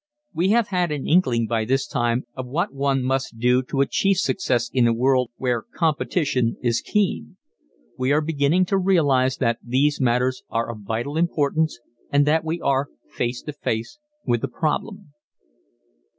We have had an inkling by this time of what one must do to achieve success in a world where competition is keen. We are beginning to realize that these matters are of vital importance and that we are face to face with a problem.